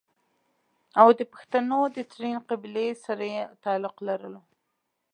او دَپښتنو دَ ترين قبيلې سره ئې تعلق لرلو